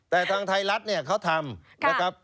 แต่ทางไทยรัฐเขาทำ